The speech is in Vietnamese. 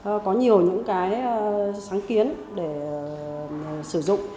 tôi có nhiều những cái sáng kiến để sử dụng